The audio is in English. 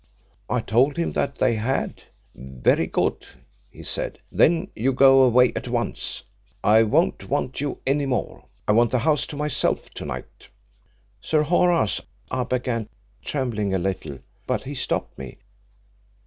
I told him that they had. 'Very good,' he said, 'then you go away at once, I won't want you any more. I want the house to myself to night.' 'Sir Horace,' I began, trembling a little, but he stopped me.